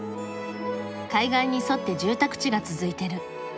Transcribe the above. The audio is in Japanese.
海岸に沿って住宅地が続いてる。